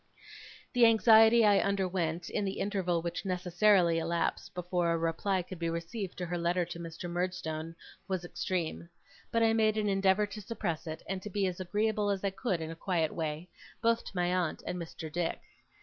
The anxiety I underwent, in the interval which necessarily elapsed before a reply could be received to her letter to Mr. Murdstone, was extreme; but I made an endeavour to suppress it, and to be as agreeable as I could in a quiet way, both to my aunt and Mr. Dick.